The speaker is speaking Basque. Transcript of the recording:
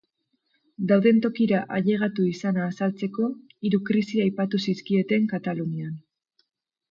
Dauden tokira ailegatu izana azaltzeko, hiru krisi aipatu zizkieten Katalunian.